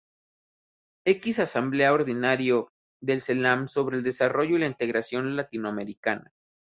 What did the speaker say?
X Asamblea Ordinario del Celam sobre el desarrollo y la integración latinoamericana.